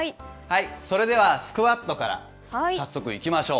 それではスクワットから、早速いきましょう。